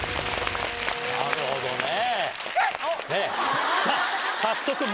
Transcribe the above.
なるほどね。